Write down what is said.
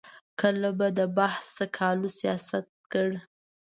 کله به د بحث سکالو سیاست کړ.